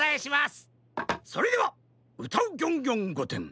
それでは「うたうギョンギョンごてん」